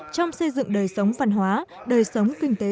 trong xây dựng đời sống văn hóa đời sống kinh tế xã hội